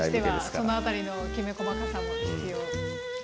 その辺りのきめ細かさも必要。